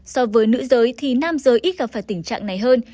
so với nữ giới thì nam giới ít gặp phải tình trạng này hơn